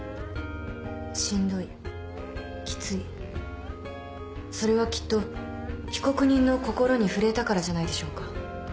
「しんどいきつい」それはきっと被告人の心に触れたからじゃないでしょうか。